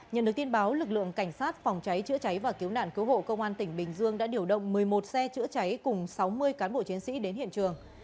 nhận được tin báo lực lượng cảnh sát phòng cháy chữa cháy và cứu nạn cứu hộ công an tỉnh bình dương đã điều động một mươi một xe chữa cháy cùng sáu mươi cán bộ chiến sĩ đến hiện trường